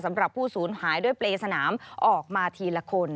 สำหรับผู้สูญหายด้วยเปรย์สนามออกมาทีละคน